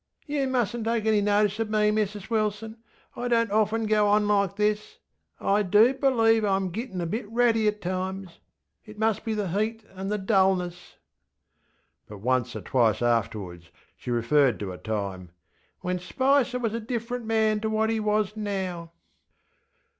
You mustnŌĆÖt take any notice of me, Mrs Wilson, ŌĆöI donŌĆÖt often go on like this. I do believe IŌĆÖm gittinŌĆÖ a bit ratty at times. It must be the heat and the dulness. ŌĆÖ But once or twice afterwards she referred to a time ŌĆśwhen Spicer was a different man to what he was now.